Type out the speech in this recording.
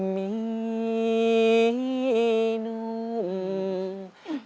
มีนุ่ง